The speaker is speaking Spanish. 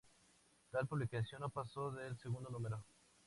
Tal publicación no pasó del segundo número.